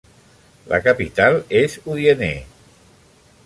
La capital és Odienné.